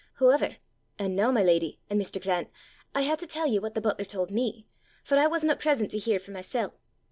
Hooever, an' noo, my leddy, an' Mr. Grant, I hae to tell ye what the butler told me, for I wasna present to hear for mysel'.